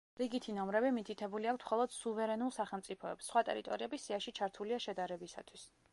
რიგითი ნომრები მითითებული აქვთ მხოლოდ სუვერენულ სახელმწიფოებს, სხვა ტერიტორიები სიაში ჩართულია შედარებისათვის.